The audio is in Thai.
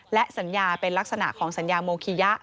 และสัญญาเป็นลักษณะของสัญญาโมคิยะ